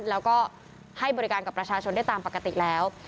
แล้วก็ให้บริการกับประชาชนได้ตามปกติแล้ว